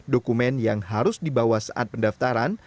dokumen yang harus dibawa saat pendaftaran